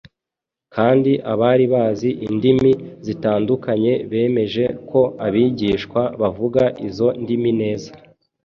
kandi abari bazi indimi zitandukanye bemeje ko abigishwa bavuga izo ndimi neza.